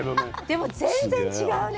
でも全然違うね。